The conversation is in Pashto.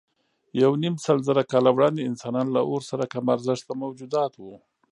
یونیمسلزره کاله وړاندې انسانان له اور سره کم ارزښته موجودات وو.